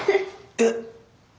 えっ！